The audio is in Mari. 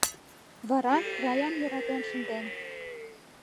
Вара Раям йӧратен шынден.